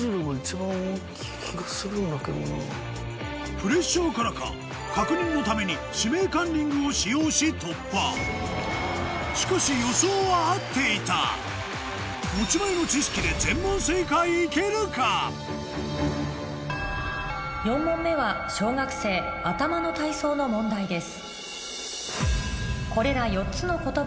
プレッシャーからか確認のためにし突破しかし持ち前の４問目は小学生頭の体操の問題です